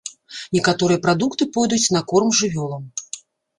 Некаторыя прадукты пойдуць на корм жывёлам.